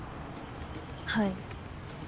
はい。